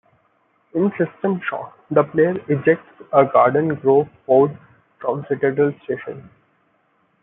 In "System Shock", the player ejects a garden grove pod from Citadel Station.